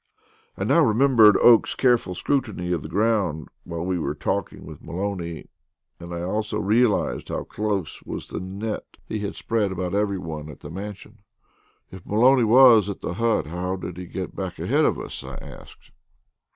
I now remembered Oakes's careful scrutiny of the ground while we were talking with Maloney, and I also realized how close was the net he had spread about everyone at the Mansion. "If Maloney was at the hut, how did he get back ahead of us?" I asked.